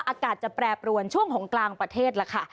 อากาศจะแปรปรวนช่วงของกลางประเทศล่ะค่ะ